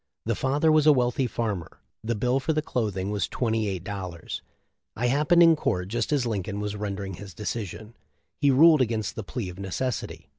The father was a weatlhy farmer; the bill for the clothing was twenty eight dollars. I happened in court just as Lincoln was rendering his decision. He ruled against the plea of necessity.